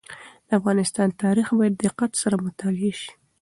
د افغانستان تاریخ باید په دقت سره مطالعه شي.